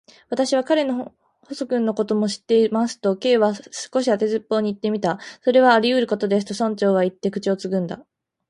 「私は彼の細君のことも知っています」と、Ｋ は少し当てずっぽうにいってみた。「それはありうることです」と、村長はいって、口をつぐんだ。